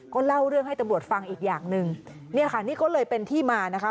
ก็เล่าเรื่องให้ตำรวจฟังอีกอย่างหนึ่งเนี่ยค่ะนี่ก็เลยเป็นที่มานะคะ